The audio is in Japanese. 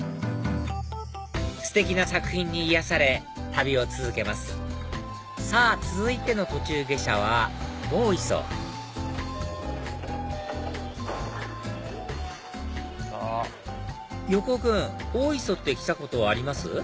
ステキな作品に癒やされ旅を続けますさぁ続いての途中下車は大磯横尾君大磯って来たことあります？